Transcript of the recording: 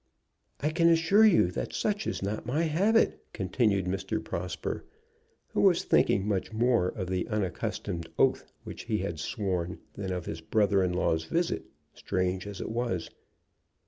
"I can assure you that such is not my habit," continued Mr. Prosper, who was thinking much more of the unaccustomed oath which he had sworn than of his brother in law's visit, strange as it was.